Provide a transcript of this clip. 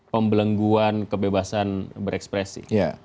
pembelengguan kebebasan berekspresi